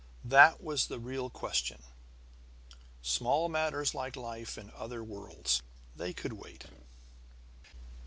That was the real question! Small matters like life in other worlds they could wait!